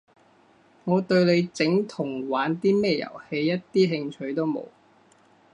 我對你整同玩啲咩遊戲一啲興趣都冇